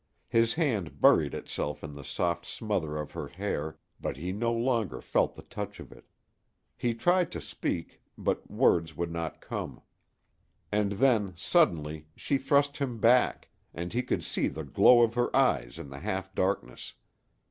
His hand buried itself in the soft smother of her hair, but he no longer felt the touch of it. He tried to speak, but words would not come. And then, suddenly, she thrust him back, and he could see the glow of her eyes in the half darkness.